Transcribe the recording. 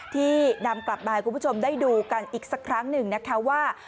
ที่นำกลับมาให้คุณผู้ชมได้ดูกันอีกสักครั้งหนึ่งนะคะว่า